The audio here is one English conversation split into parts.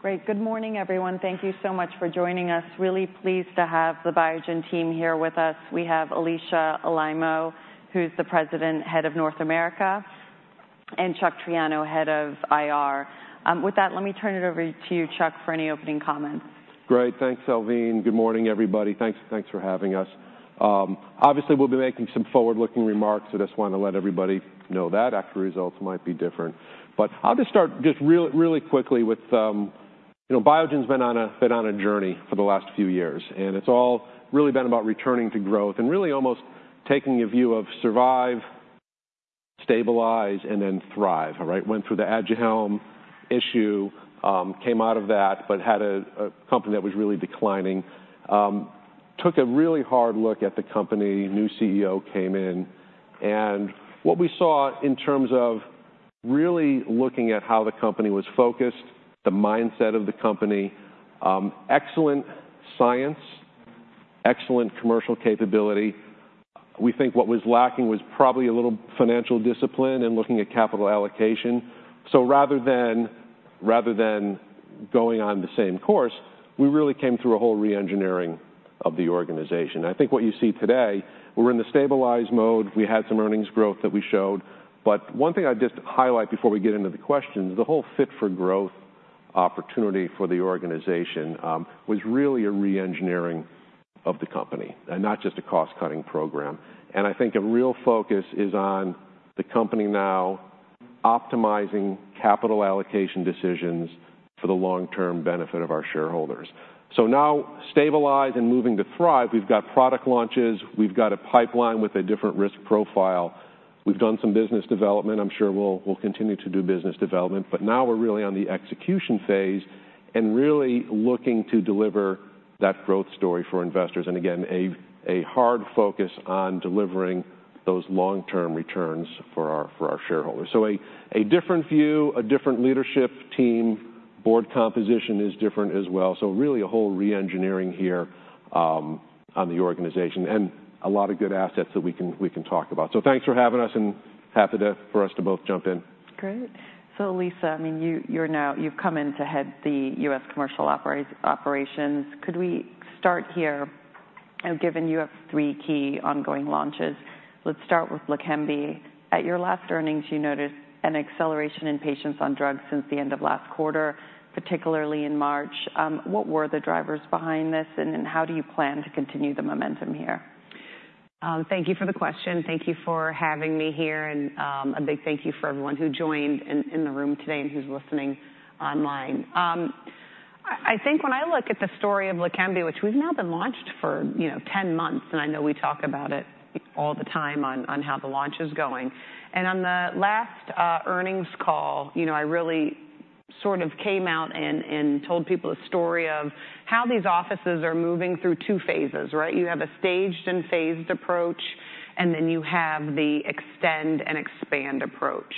Great. Good morning, everyone. Thank you so much for joining us. Really pleased to have the Biogen team here with us. We have Alisha Alaimo, who's the President, Head of North America, and Chuck Triano, Head of IR. With that, let me turn it over to you, Chuck, for any opening comments. Great. Thanks, Salveen. Good morning, everybody. Thanks for having us. Obviously, we'll be making some forward-looking remarks, so I just want to let everybody know that actual results might be different. But I'll just start just really quickly with, you know, Biogen's been on a journey for the last few years, and it's all really been about returning to growth and really almost taking a view of survive, stabilize, and then thrive, all right? Went through the Aduhelm issue, came out of that, but had a company that was really declining. Took a really hard look at the company. New CEO came in. And what we saw in terms of really looking at how the company was focused, the mindset of the company, excellent science, excellent commercial capability. We think what was lacking was probably a little financial discipline and looking at capital allocation. So rather than going on the same course, we really came through a whole re-engineering of the organization. I think what you see today, we're in the stabilized mode. We had some earnings growth that we showed. But one thing I'd just highlight before we get into the questions, the whole Fit for Growth opportunity for the organization was really a re-engineering of the company and not just a cost-cutting program. And I think a real focus is on the company now optimizing capital allocation decisions for the long-term benefit of our shareholders. So now stabilized and moving to thrive, we've got product launches, we've got a pipeline with a different risk profile. We've done some business development. I'm sure we'll continue to do business development. But now we're really on the execution phase and really looking to deliver that growth story for investors. Again, a hard focus on delivering those long-term returns for our shareholders. A different view, a different leadership team, board composition is different as well. Really a whole re-engineering here on the organization and a lot of good assets that we can talk about. Thanks for having us and happy for us to both jump in. Great. So Alisha, I mean, you've come in to head the U.S. commercial operations. Could we start here? Given you have three key ongoing launches, let's start with LEQEMBI. At your last earnings, you noticed an acceleration in patients on drugs since the end of last quarter, particularly in March. What were the drivers behind this, and how do you plan to continue the momentum here? Thank you for the question. Thank you for having me here, and a big thank you for everyone who joined in the room today and who's listening online. I think when I look at the story of LEQEMBI, which we've now been launched for, you know, 10 months, and I know we talk about it all the time on how the launch is going. On the last earnings call, you know, I really sort of came out and told people the story of how these offices are moving through two phases, right? You have a staged and phased approach, and then you have the extend and expand approach.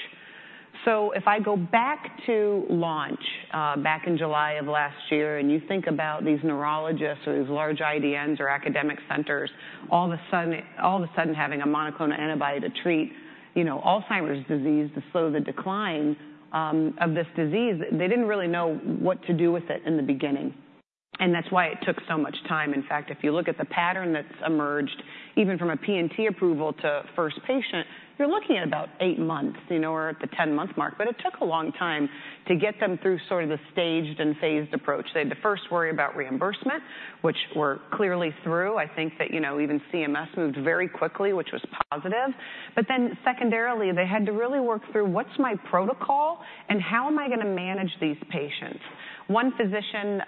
So if I go back to launch back in July of last year and you think about these neurologists or these large IDNs or academic centers, all of a sudden, all of a sudden having a monoclonal antibody to treat, you know, Alzheimer's disease, to slow the decline of this disease, they didn't really know what to do with it in the beginning. And that's why it took so much time. In fact, if you look at the pattern that's emerged, even from a P&T approval to first patient, you're looking at about eight months, you know, or at the 10-month mark. But it took a long time to get them through sort of the staged and phased approach. They had to first worry about reimbursement, which we're clearly through. I think that, you know, even CMS moved very quickly, which was positive. But then secondarily, they had to really work through what's my protocol and how am I going to manage these patients? One physician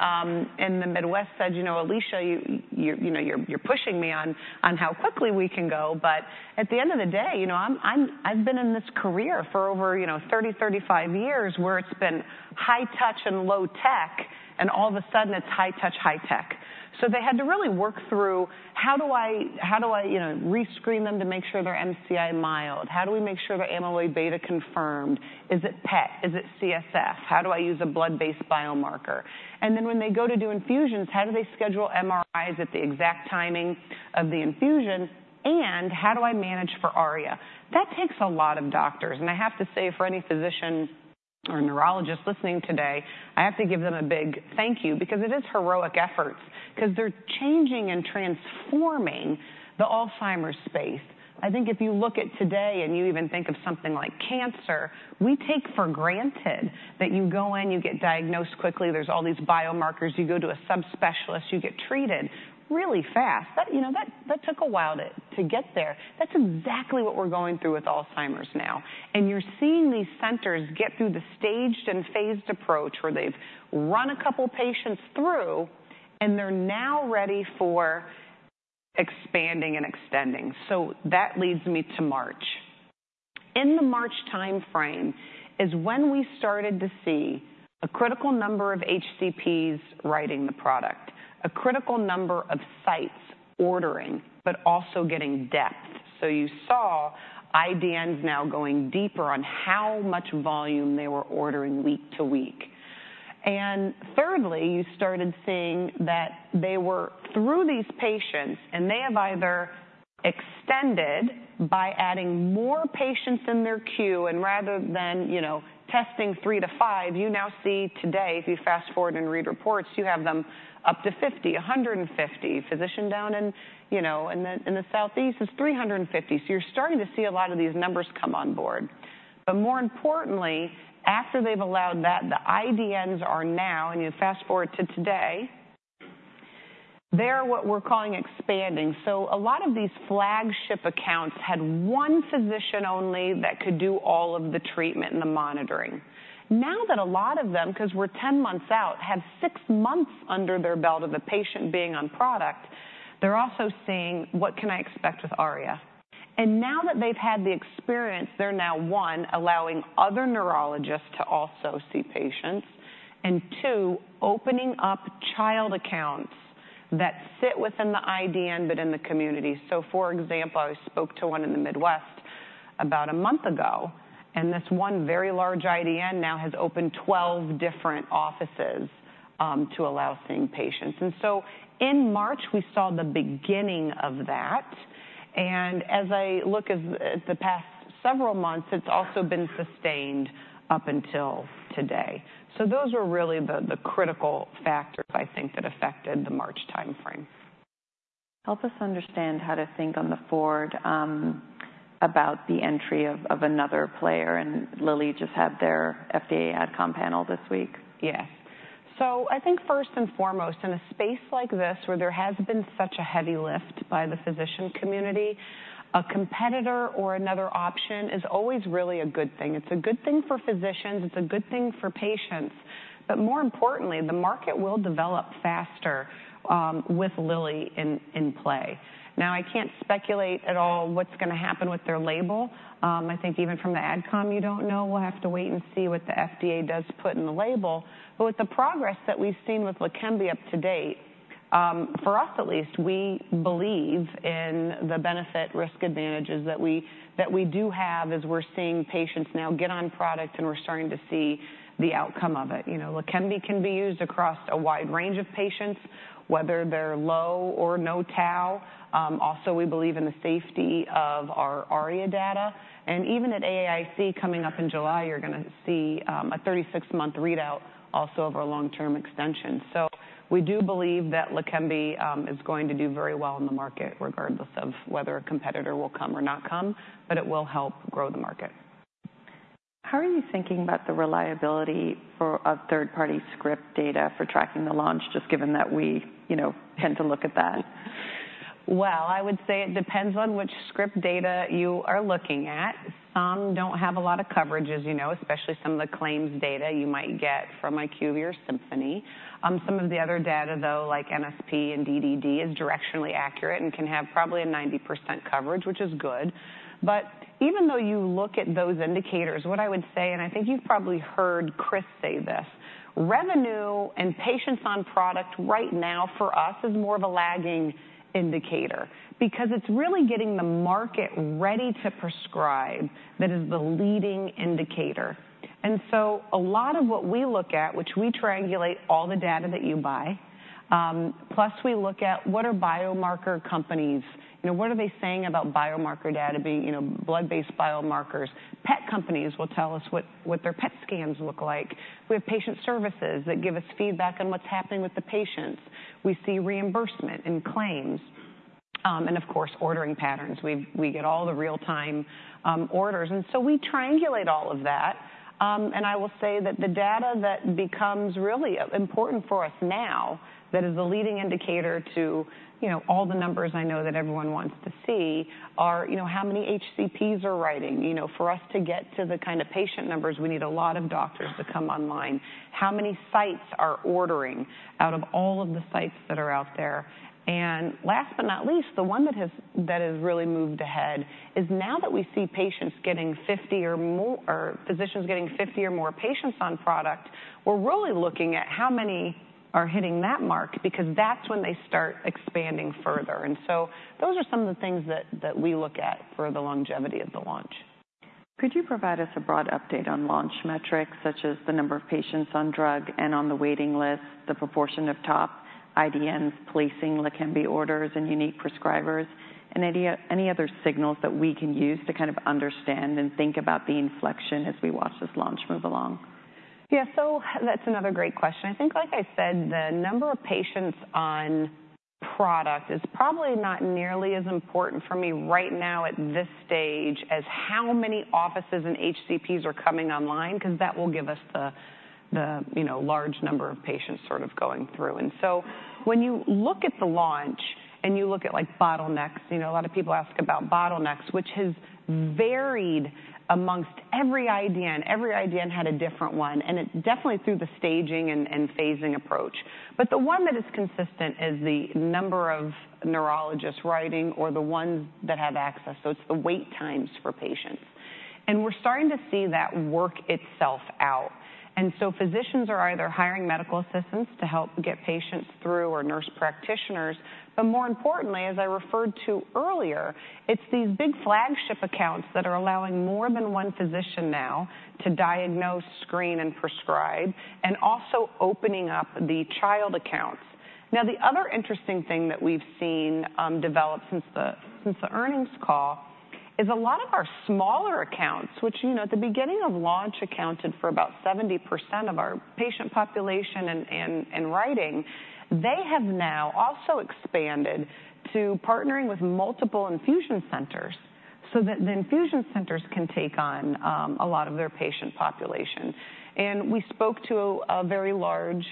in the Midwest said, you know, Alisha, you know, you're pushing me on how quickly we can go. But at the end of the day, you know, I've been in this career for over, you know, 30, 35 years where it's been high touch and low tech, and all of a sudden it's high touch, high tech. So they had to really work through how do I, you know, rescreen them to make sure they're MCI mild? How do we make sure they're amyloid beta confirmed? Is it PET? Is it CSF? How do I use a blood-based biomarker? And then when they go to do infusions, how do they schedule MRIs at the exact timing of the infusion? And how do I manage for ARIA? That takes a lot of doctors. I have to say, for any physician or neurologist listening today, I have to give them a big thank you because it is heroic efforts, because they're changing and transforming the Alzheimer's space. I think if you look at today and you even think of something like cancer, we take for granted that you go in, you get diagnosed quickly, there's all these biomarkers, you go to a subspecialist, you get treated really fast. You know, that took a while to get there. That's exactly what we're going through with Alzheimer's now. You're seeing these centers get through the staged and phased approach where they've run a couple of patients through and they're now ready for expanding and extending. That leads me to March. In the March timeframe is when we started to see a critical number of HCPs writing the product, a critical number of sites ordering, but also getting depth. So you saw IDNs now going deeper on how much volume they were ordering week to week. And thirdly, you started seeing that they were through these patients and they have either extended by adding more patients in their queue. And rather than, you know, testing three to five, you now see today, if you fast forward and read reports, you have them up to 50, 150. Physician down in, you know, in the Southeast is 350. So you're starting to see a lot of these numbers come on board. But more importantly, after they've allowed that, the IDNs are now, and you fast forward to today, they're what we're calling expanding. So a lot of these flagship accounts had one physician only that could do all of the treatment and the monitoring. Now that a lot of them, because we're 10 months out, have 6 months under their belt of the patient being on product, they're also seeing what can I expect with ARIA. And now that they've had the experience, they're now, one, allowing other neurologists to also see patients, and two, opening up child accounts that sit within the IDN but in the community. So for example, I spoke to one in the Midwest about a month ago, and this one very large IDN now has opened 12 different offices to allow seeing patients. And so in March, we saw the beginning of that. And as I look at the past several months, it's also been sustained up until today. Those were really the critical factors, I think, that affected the March timeframe. Help us understand how to think going forward about the entry of another player? Lilly just had their FDA AdCom panel this week. Yes. So I think first and foremost, in a space like this where there has been such a heavy lift by the physician community, a competitor or another option is always really a good thing. It's a good thing for physicians. It's a good thing for patients. But more importantly, the market will develop faster with Lilly in play. Now, I can't speculate at all what's going to happen with their label. I think even from the AdCom, you don't know. We'll have to wait and see what the FDA does put in the label. But with the progress that we've seen with LEQEMBI up to date, for us at least, we believe in the benefit-risk advantages that we do have as we're seeing patients now get on product and we're starting to see the outcome of it. You know, LEQEMBI can be used across a wide range of patients, whether they're low or no tau. Also, we believe in the safety of our ARIA data. Even at AAIC coming up in July, you're going to see a 36-month readout also over a long-term extension. We do believe that LEQEMBI is going to do very well in the market regardless of whether a competitor will come or not come, but it will help grow the market. How are you thinking about the reliability of third-party script data for tracking the launch, just given that we, you know, tend to look at that? Well, I would say it depends on which script data you are looking at. Some don't have a lot of coverage, as you know, especially some of the claims data you might get from IQVIA or Symphony. Some of the other data, though, like NSP and DDD, is directionally accurate and can have probably a 90% coverage, which is good. But even though you look at those indicators, what I would say, and I think you've probably heard Chris say this, revenue and patients on product right now for us is more of a lagging indicator because it's really getting the market ready to prescribe that is the leading indicator. And so a lot of what we look at, which we triangulate all the data that you buy, plus we look at what are biomarker companies, you know, what are they saying about biomarker data being, you know, blood-based biomarkers. PET companies will tell us what their PET scans look like. We have patient services that give us feedback on what's happening with the patients. We see reimbursement and claims. Of course, ordering patterns. We get all the real-time orders. So we triangulate all of that. I will say that the data that becomes really important for us now that is the leading indicator to, you know, all the numbers I know that everyone wants to see are, you know, how many HCPs are writing. You know, for us to get to the kind of patient numbers, we need a lot of doctors to come online. How many sites are ordering out of all of the sites that are out there? And last but not least, the one that has really moved ahead is now that we see patients getting 50 or more, or physicians getting 50 or more patients on product, we're really looking at how many are hitting that mark because that's when they start expanding further. And so those are some of the things that we look at for the longevity of the launch. Could you provide us a broad update on launch metrics, such as the number of patients on drug and on the waiting list, the proportion of top IDNs placing LEQEMBI orders and unique prescribers, and any other signals that we can use to kind of understand and think about the inflection as we watch this launch move along? Yeah, so that's another great question. I think, like I said, the number of patients on product is probably not nearly as important for me right now at this stage as how many offices and HCPs are coming online, because that will give us the, you know, large number of patients sort of going through. And so when you look at the launch and you look at like bottlenecks, you know, a lot of people ask about bottlenecks, which has varied among every IDN. Every IDN had a different one, and it definitely through the staging and phasing approach. But the one that is consistent is the number of neurologists writing or the ones that have access. So it's the wait times for patients. And we're starting to see that work itself out. And so physicians are either hiring medical assistants to help get patients through or nurse practitioners. But more importantly, as I referred to earlier, it's these big flagship accounts that are allowing more than one physician now to diagnose, screen, and prescribe, and also opening up the child accounts. Now, the other interesting thing that we've seen develop since the earnings call is a lot of our smaller accounts, which, you know, at the beginning of launch accounted for about 70% of our patient population and writing; they have now also expanded to partnering with multiple infusion centers so that the infusion centers can take on a lot of their patient population. And we spoke to a very large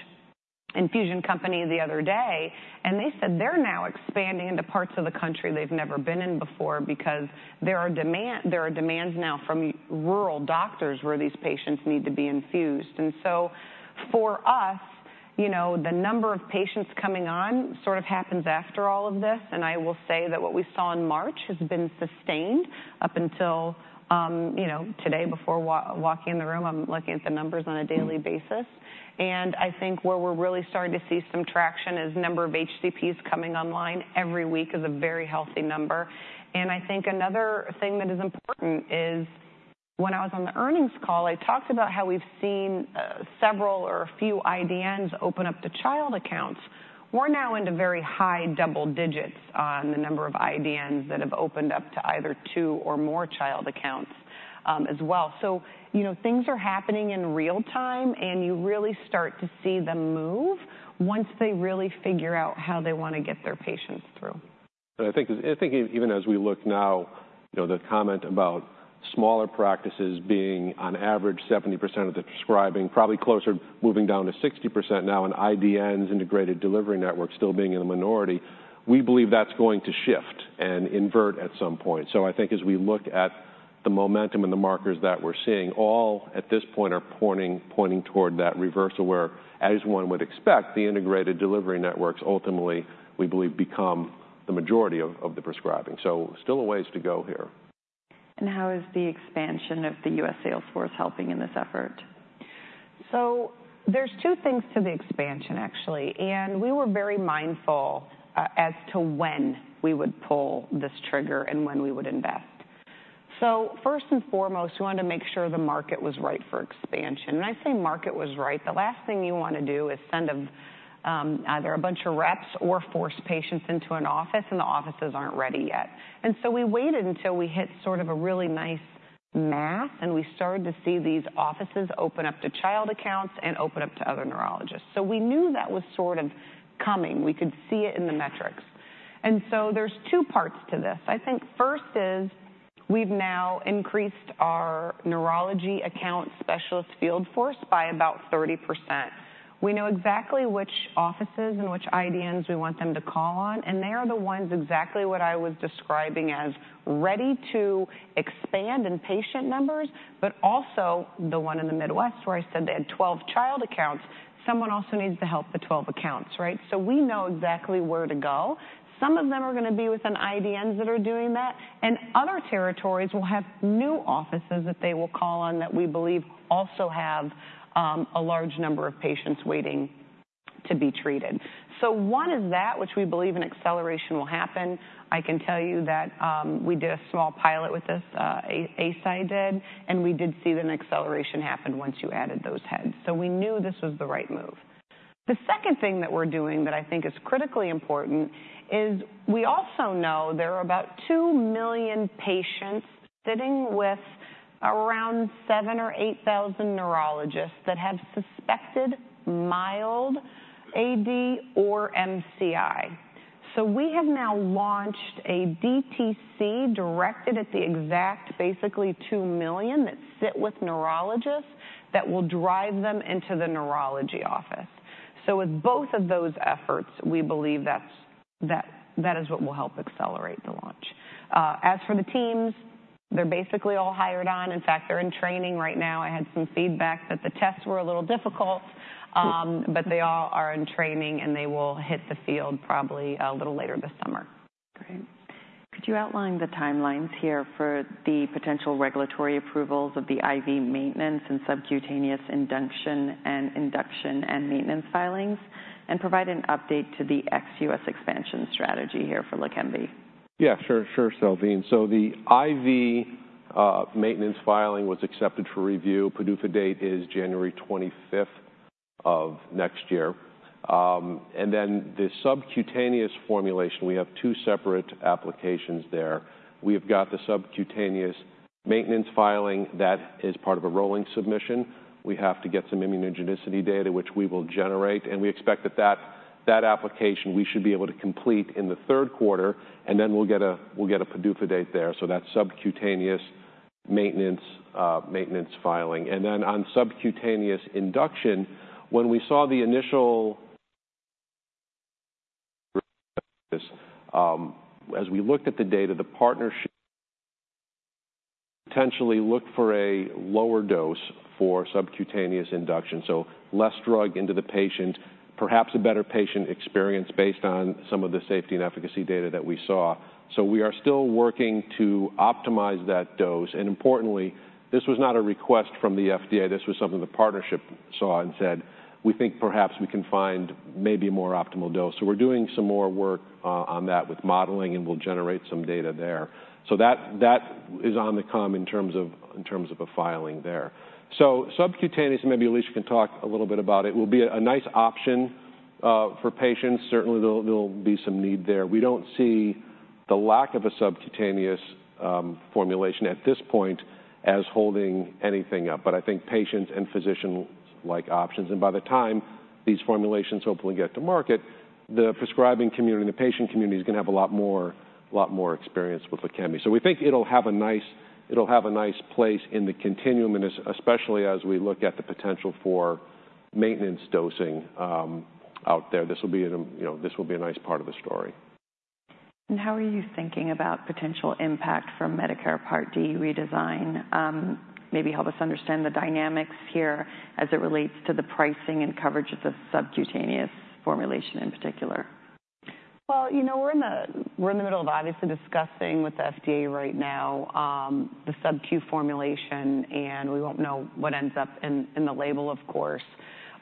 infusion company the other day, and they said they're now expanding into parts of the country they've never been in before because there are demands now from rural doctors where these patients need to be infused. For us, you know, the number of patients coming on sort of happens after all of this. I will say that what we saw in March has been sustained up until, you know, today. Before walking in the room, I'm looking at the numbers on a daily basis. I think where we're really starting to see some traction is the number of HCPs coming online every week is a very healthy number. I think another thing that is important is when I was on the earnings call, I talked about how we've seen several or a few IDNs open up to child accounts. We're now into very high double digits on the number of IDNs that have opened up to either two or more child accounts as well. So, you know, things are happening in real time, and you really start to see them move once they really figure out how they want to get their patients through. But I think even as we look now, you know, the comment about smaller practices being on average 70% of the prescribing, probably closer moving down to 60% now, and IDNs, integrated delivery networks still being in the minority, we believe that's going to shift and invert at some point. So I think as we look at the momentum and the markers that we're seeing, all at this point are pointing toward that reversal where, as one would expect, the integrated delivery networks ultimately, we believe, become the majority of the prescribing. So still a ways to go here. How is the expansion of the U.S. sales force helping in this effort? So there's two things to the expansion, actually. And we were very mindful as to when we would pull this trigger and when we would invest. So first and foremost, we wanted to make sure the market was right for expansion. And I say market was right. The last thing you want to do is send either a bunch of reps or force patients into an office, and the offices aren't ready yet. And so we waited until we hit sort of a really nice mass, and we started to see these offices open up to child accounts and open up to other neurologists. So we knew that was sort of coming. We could see it in the metrics. And so there's two parts to this. I think first is we've now increased our neurology account specialist field force by about 30%. We know exactly which offices and which IDNs we want them to call on. And they are the ones exactly what I was describing as ready to expand in patient numbers, but also the one in the Midwest where I said they had 12 child accounts. Someone also needs to help the 12 accounts, right? So we know exactly where to go. Some of them are going to be within IDNs that are doing that. And other territories will have new offices that they will call on that we believe also have a large number of patients waiting to be treated. So one is that, which we believe an acceleration will happen. I can tell you that we did a small pilot with this, Eisai did, and we did see that an acceleration happened once you added those heads. So we knew this was the right move. The second thing that we're doing that I think is critically important is we also know there are about 2 million patients sitting with around 7,000 or 8,000 neurologists that have suspected mild AD or MCI. So we have now launched a DTC directed at the exact, basically 2 million that sit with neurologists that will drive them into the neurology office. So with both of those efforts, we believe that is what will help accelerate the launch. As for the teams, they're basically all hired on. In fact, they're in training right now. I had some feedback that the tests were a little difficult, but they all are in training, and they will hit the field probably a little later this summer. Great. Could you outline the timelines here for the potential regulatory approvals of the IV maintenance and subcutaneous induction and induction and maintenance filings and provide an update to the ex-U.S. expansion strategy here for LEQEMBI? Yeah, sure, sure, Salveen. So the IV maintenance filing was accepted for review. PDUFA date is January 25th of next year. And then the subcutaneous formulation, we have two separate applications there. We have got the subcutaneous maintenance filing that is part of a rolling submission. We have to get some immunogenicity data, which we will generate. And we expect that that application we should be able to complete in the third quarter. And then we'll get a PDUFA date there. So that's subcutaneous maintenance filing. And then on subcutaneous induction, when we saw the initial as we looked at the data, the partnership potentially looked for a lower dose for subcutaneous induction. So less drug into the patient, perhaps a better patient experience based on some of the safety and efficacy data that we saw. So we are still working to optimize that dose. Importantly, this was not a request from the FDA. This was something the partnership saw and said, we think perhaps we can find maybe a more optimal dose. So we're doing some more work on that with modeling, and we'll generate some data there. So that is on the come in terms of a filing there. So subcutaneous, maybe Alisha can talk a little bit about it. It will be a nice option for patients. Certainly, there'll be some need there. We don't see the lack of a subcutaneous formulation at this point as holding anything up. But I think patients and physicians like options. And by the time these formulations hopefully get to market, the prescribing community and the patient community is going to have a lot more experience with LEQEMBI. So we think it'll have a nice place in the continuum, and especially as we look at the potential for maintenance dosing out there. This will be a nice part of the story. How are you thinking about potential impact from Medicare Part D redesign? Maybe help us understand the dynamics here as it relates to the pricing and coverage of the subcutaneous formulation in particular. Well, you know, we're in the middle of obviously discussing with the FDA right now the subcu formulation, and we won't know what ends up in the label, of course.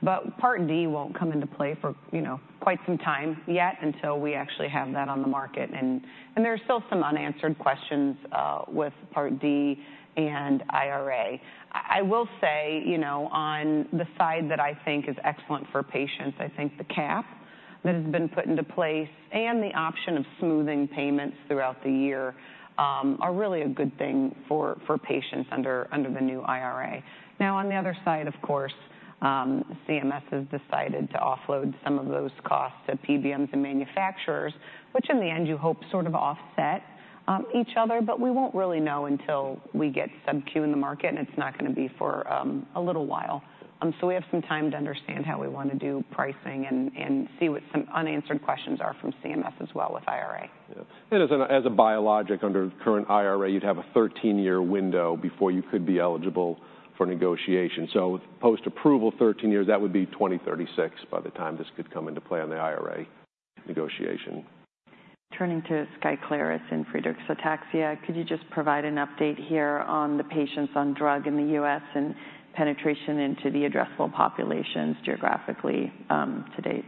But Part D won't come into play for, you know, quite some time yet until we actually have that on the market. And there are still some unanswered questions with Part D and IRA. I will say, you know, on the side that I think is excellent for patients, I think the cap that has been put into place and the option of smoothing payments throughout the year are really a good thing for patients under the new IRA. Now, on the other side, of course, CMS has decided to offload some of those costs to PBMs and manufacturers, which in the end you hope sort of offset each other. But we won't really know until we get subcu in the market, and it's not going to be for a little while. So we have some time to understand how we want to do pricing and see what some unanswered questions are from CMS as well with IRA. Yeah. As a biologic under current IRA, you'd have a 13-year window before you could be eligible for negotiation. So post-approval, 13 years, that would be 2036 by the time this could come into play on the IRA negotiation. Turning to SKYCLARYS and Friedreich's Ataxia, could you just provide an update here on the patients on drug in the U.S. and penetration into the addressable populations geographically to date?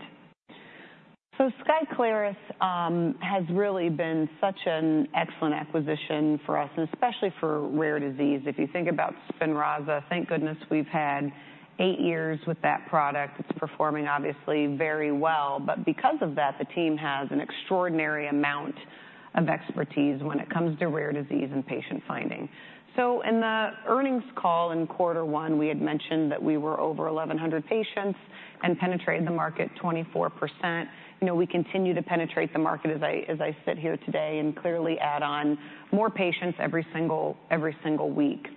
So SKYCLARYS has really been such an excellent acquisition for us, and especially for rare disease. If you think about SPINRAZA, thank goodness we've had eight years with that product. It's performing obviously very well. But because of that, the team has an extraordinary amount of expertise when it comes to rare disease and patient finding. So in the earnings call in quarter one, we had mentioned that we were over 1,100 patients and penetrated the market 24%. You know, we continue to penetrate the market as I sit here today and clearly add on more patients every single week.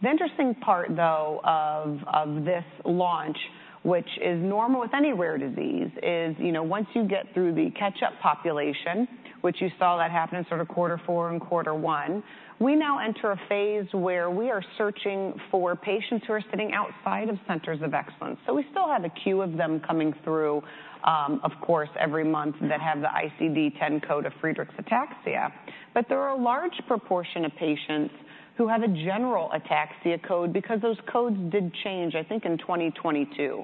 The interesting part, though, of this launch, which is normal with any rare disease, is, you know, once you get through the catch-up population, which you saw that happen in sort of quarter four and quarter one, we now enter a phase where we are searching for patients who are sitting outside of centers of excellence. So we still have a queue of them coming through, of course, every month that have the ICD-10 code of Friedreich's Ataxia. But there are a large proportion of patients who have a general Ataxia code because those codes did change, I think, in 2022.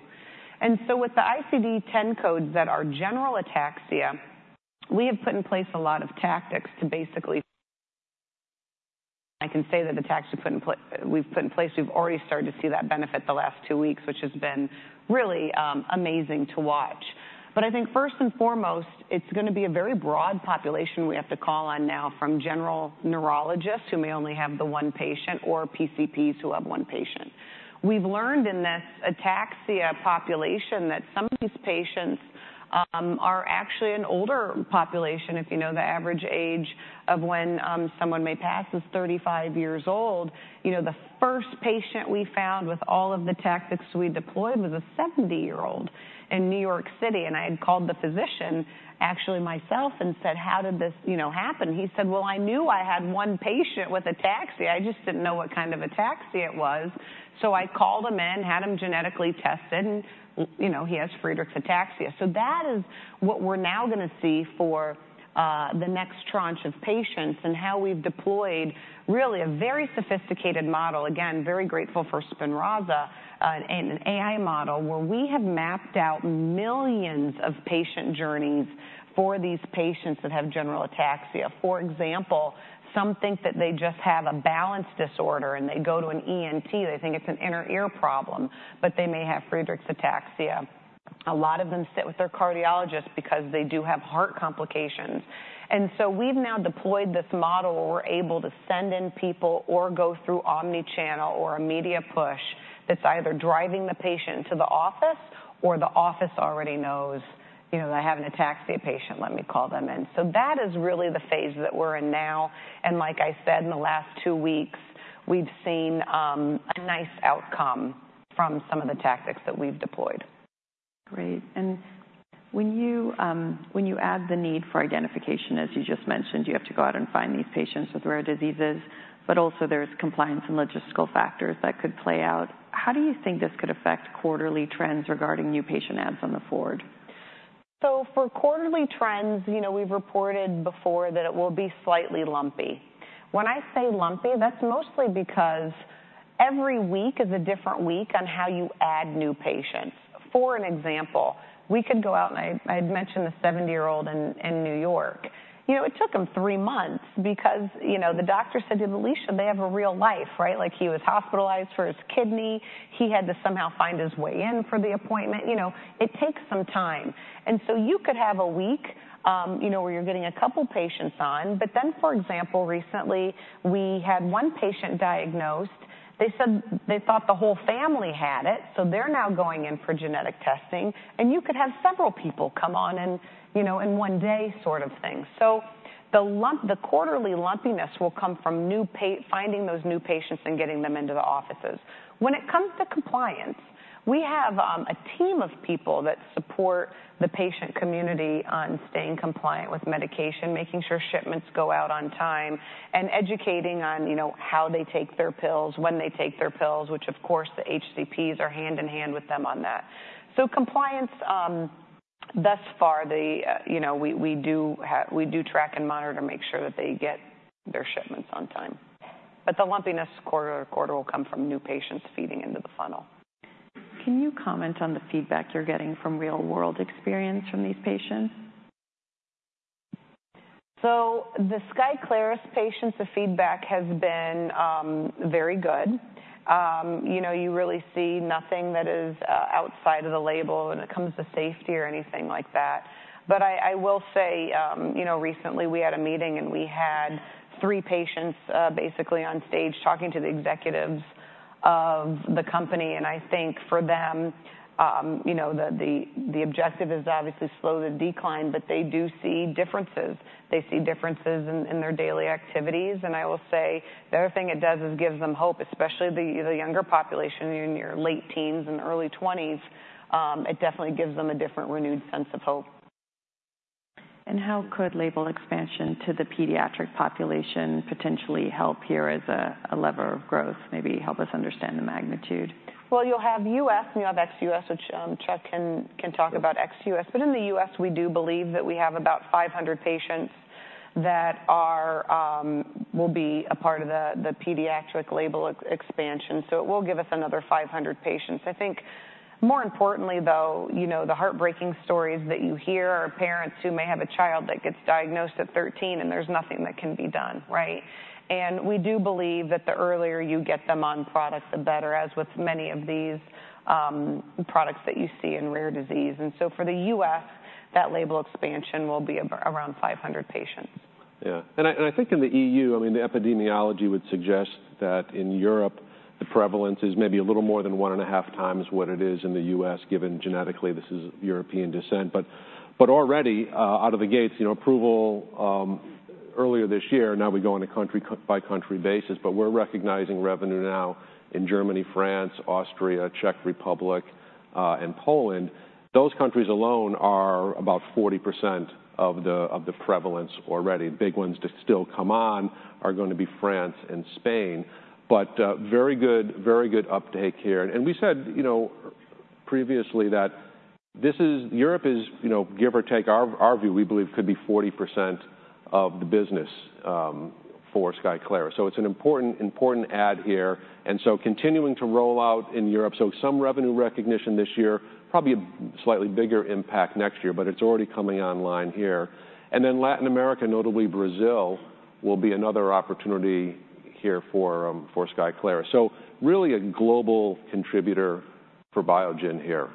And so with the ICD-10 codes that are general Ataxia, we have put in place a lot of tactics to basically, I can say that the tactics we've put in place, we've already started to see that benefit the last two weeks, which has been really amazing to watch. But I think first and foremost, it's going to be a very broad population we have to call on now from general neurologists who may only have the one patient or PCPs who have one patient. We've learned in this Ataxia population that some of these patients are actually an older population. If you know, the average age of when someone may pass is 35 years old. You know, the first patient we found with all of the tactics we deployed was a 70-year-old in New York City. And I had called the physician, actually myself, and said, how did this, you know, happen? He said, well, I knew I had one patient with Ataxia. I just didn't know what kind of Ataxia it was. So I called him in, had him genetically tested, and, you know, he has Friedreich's Ataxia. So that is what we're now going to see for the next tranche of patients and how we've deployed really a very sophisticated model. Again, very grateful for SPINRAZA, an AI model where we have mapped out millions of patient journeys for these patients that have general Ataxia. For example, some think that they just have a balance disorder, and they go to an ENT. They think it's an inner ear problem, but they may have Friedreich's Ataxia. A lot of them sit with their cardiologist because they do have heart complications. And so we've now deployed this model where we're able to send in people or go through omnichannel or a media push that's either driving the patient to the office or the office already knows, you know, that I have an Ataxia patient, let me call them in. So that is really the phase that we're in now. Like I said, in the last two weeks, we've seen a nice outcome from some of the tactics that we've deployed. Great. When you add the need for identification, as you just mentioned, you have to go out and find these patients with rare diseases, but also there's compliance and logistical factors that could play out. How do you think this could affect quarterly trends regarding new patient adds on the forward? So for quarterly trends, you know, we've reported before that it will be slightly lumpy. When I say lumpy, that's mostly because every week is a different week on how you add new patients. For an example, we could go out and I had mentioned the 70-year-old in New York. You know, it took him three months because, you know, the doctor said to him, Alisha, they have a real life, right? Like he was hospitalized for his kidney. He had to somehow find his way in for the appointment. You know, it takes some time. And so you could have a week, you know, where you're getting a couple of patients on. But then, for example, recently, we had one patient diagnosed. They said they thought the whole family had it. So they're now going in for genetic testing. You could have several people come on in, you know, in one day sort of thing. So the quarterly lumpiness will come from finding those new patients and getting them into the offices. When it comes to compliance, we have a team of people that support the patient community on staying compliant with medication, making sure shipments go out on time, and educating on, you know, how they take their pills, when they take their pills, which of course the HCPs are hand in hand with them on that. So compliance thus far, you know, we do track and monitor to make sure that they get their shipments on time. But the lumpiness quarter to quarter will come from new patients feeding into the funnel. Can you comment on the feedback you're getting from real-world experience from these patients? So the SKYCLARYS patients, the feedback has been very good. You know, you really see nothing that is outside of the label when it comes to safety or anything like that. But I will say, you know, recently we had a meeting and we had three patients basically on stage talking to the executives of the company. And I think for them, you know, the objective is obviously slow the decline, but they do see differences. They see differences in their daily activities. And I will say the other thing it does is gives them hope, especially the younger population in your late teens and early 20s. It definitely gives them a different renewed sense of hope. How could label expansion to the pediatric population potentially help here as a lever of growth, maybe help us understand the magnitude? Well, you'll have U.S. and you'll have ex-U.S., which Chuck can talk about ex-U.S. But in the U.S., we do believe that we have about 500 patients that will be a part of the pediatric label expansion. So it will give us another 500 patients. I think more importantly, though, you know, the heartbreaking stories that you hear are parents who may have a child that gets diagnosed at 13 and there's nothing that can be done, right? And we do believe that the earlier you get them on product, the better, as with many of these products that you see in rare disease. And so for the U.S., that label expansion will be around 500 patients. Yeah. And I think in the EU, I mean, the epidemiology would suggest that in Europe, the prevalence is maybe a little more than 1.5 times what it is in the U.S., given genetically this is European descent. But already out of the gates, you know, approval earlier this year, now we go on a country-by-country basis. But we're recognizing revenue now in Germany, France, Austria, Czech Republic, and Poland. Those countries alone are about 40% of the prevalence already. Big ones to still come on are going to be France and Spain. But very good uptake here. And we said, you know, previously that this is Europe is, you know, give or take our view, we believe could be 40% of the business for SKYCLARYS. So it's an important add here. And so continuing to roll out in Europe. So some revenue recognition this year, probably a slightly bigger impact next year, but it's already coming online here. And then Latin America, notably Brazil, will be another opportunity here for SKYCLARYS. So really a global contributor for Biogen here.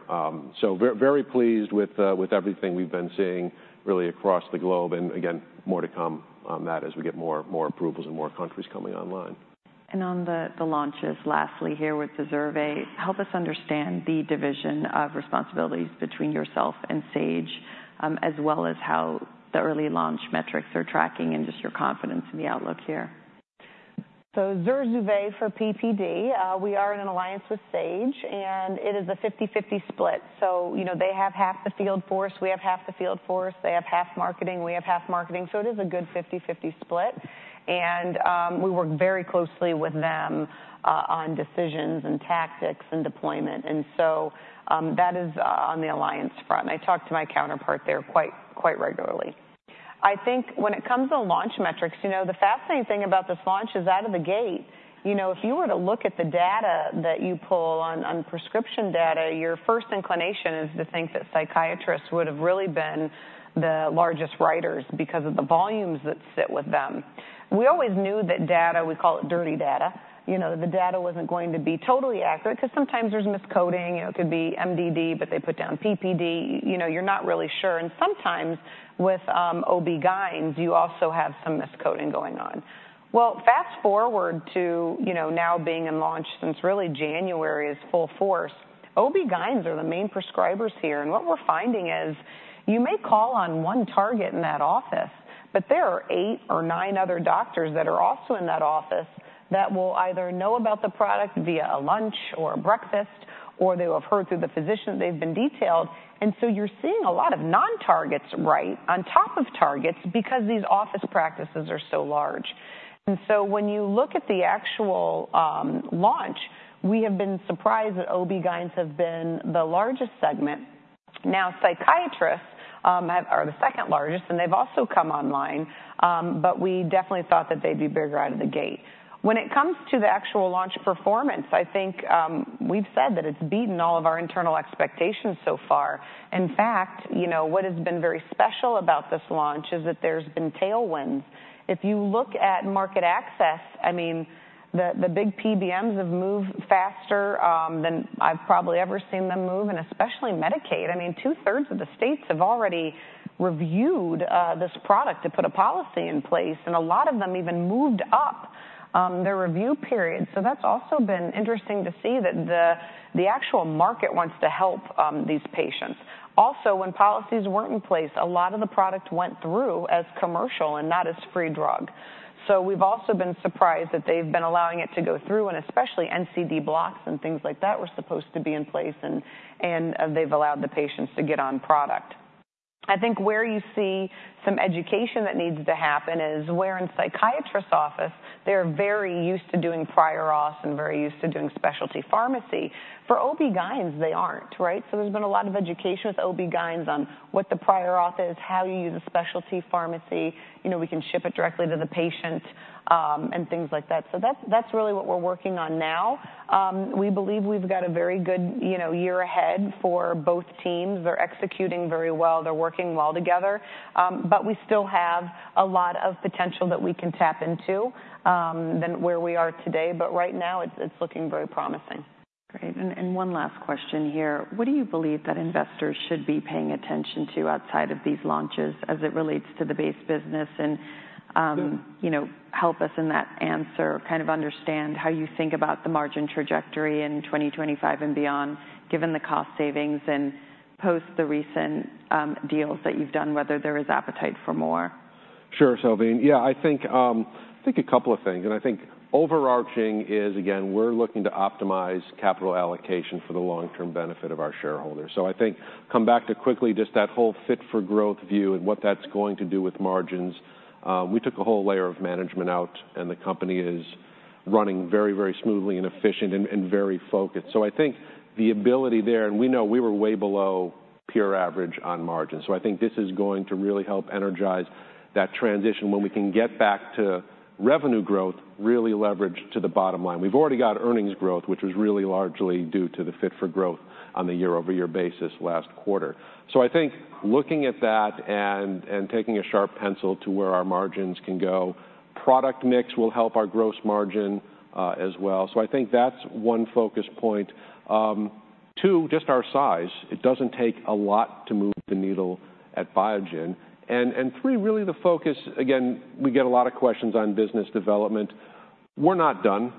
So very pleased with everything we've been seeing really across the globe. And again, more to come on that as we get more approvals and more countries coming online. On the launches lastly here with ZURZUVAE, help us understand the division of responsibilities between yourself and Sage, as well as how the early launch metrics are tracking and just your confidence in the outlook here? ZURZUVAE is a way for PPD. We are in an alliance with Sage, and it is a 50/50 split. So, you know, they have half the field for us. We have half the field for us. They have half marketing. We have half marketing. So it is a good 50/50 split. And we work very closely with them on decisions and tactics and deployment. And so that is on the alliance front. I talk to my counterpart there quite regularly. I think when it comes to launch metrics, you know, the fascinating thing about this launch is out of the gate. You know, if you were to look at the data that you pull on prescription data, your first inclination is to think that psychiatrists would have really been the largest writers because of the volumes that sit with them. We always knew that data, we call it dirty data. You know, the data wasn't going to be totally accurate because sometimes there's miscoding. You know, it could be MDD, but they put down PPD. You know, you're not really sure. And sometimes with OB-GYNs, you also have some miscoding going on. Well, fast forward to, you know, now being in launch since really January is full force, OB-GYNs are the main prescribers here. And what we're finding is you may call on one target in that office, but there are eight or nine other doctors that are also in that office that will either know about the product via a lunch or a breakfast, or they will have heard through the physician that they've been detailed. And so you're seeing a lot of non-targets right on top of targets because these office practices are so large. When you look at the actual launch, we have been surprised that OB-GYNs have been the largest segment. Now, psychiatrists are the second largest, and they've also come online. But we definitely thought that they'd be bigger out of the gate. When it comes to the actual launch performance, I think we've said that it's beaten all of our internal expectations so far. In fact, you know, what has been very special about this launch is that there's been tailwinds. If you look at market access, I mean, the big PBMs have moved faster than I've probably ever seen them move, and especially Medicaid. I mean, two-thirds of the states have already reviewed this product to put a policy in place, and a lot of them even moved up their review period. So that's also been interesting to see that the actual market wants to help these patients. Also, when policies weren't in place, a lot of the product went through as commercial and not as free drug. So we've also been surprised that they've been allowing it to go through, and especially NCD blocks and things like that were supposed to be in place, and they've allowed the patients to get on product. I think where you see some education that needs to happen is where in psychiatrists' office, they're very used to doing Prior Auth and very used to doing specialty pharmacy. For OB-GYNs, they aren't, right? So there's been a lot of education with OB-GYNs on what the Prior Auth is, how you use a specialty pharmacy. You know, we can ship it directly to the patient and things like that. So that's really what we're working on now. We believe we've got a very good, you know, year ahead for both teams. They're executing very well. They're working well together. But we still have a lot of potential that we can tap into than where we are today. But right now, it's looking very promising. Great. One last question here. What do you believe that investors should be paying attention to outside of these launches as it relates to the base business? And, you know, help us in that answer, kind of understand how you think about the margin trajectory in 2025 and beyond, given the cost savings and post the recent deals that you've done, whether there is appetite for more? Sure, Salveen. Yeah, I think a couple of things. I think overarching is, again, we're looking to optimize capital allocation for the long-term benefit of our shareholders. So I think come back to quickly just that whole Fit for Growth view and what that's going to do with margins. We took a whole layer of management out, and the company is running very, very smoothly and efficient and very focused. So I think the ability there, and we know we were way below peer average on margin. So I think this is going to really help energize that transition when we can get back to revenue growth, really leverage to the bottom line. We've already got earnings growth, which was really largely due to the Fit for Growth on the year-over-year basis last quarter. So I think looking at that and taking a sharp pencil to where our margins can go, product mix will help our gross margin as well. So I think that's one focus point. Two, just our size. It doesn't take a lot to move the needle at Biogen. And three, really the focus, again, we get a lot of questions on business development. We're not done.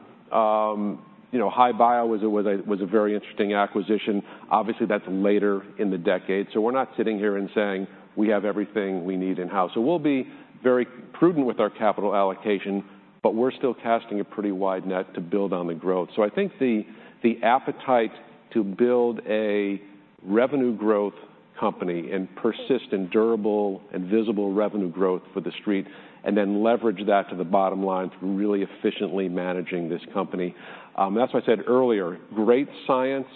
You know, HI-Bio was a very interesting acquisition. Obviously, that's later in the decade. So we're not sitting here and saying we have everything we need in-house. So we'll be very prudent with our capital allocation, but we're still casting a pretty wide net to build on the growth. So I think the appetite to build a revenue growth company and persistent durable and visible revenue growth for the street and then leverage that to the bottom line through really efficiently managing this company. That's why I said earlier, great science,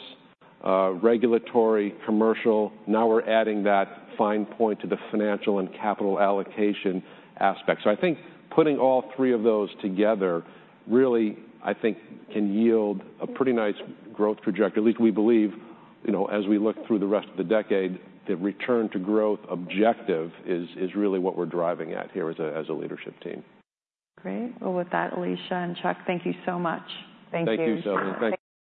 regulatory, commercial. Now we're adding that fine point to the financial and capital allocation aspect. So I think putting all three of those together really, I think, can yield a pretty nice growth trajectory. At least we believe, you know, as we look through the rest of the decade, the return to growth objective is really what we're driving at here as a leadership team. Great. Well, with that, Alisha and Chuck, thank you so much. Thank you. Thank you, Salveen. Thank you.